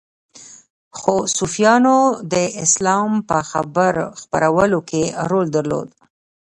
خو صوفیانو د اسلام په خپرولو کې رول درلود